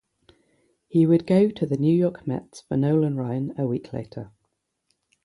He would go to the New York Mets for Nolan Ryan a week later.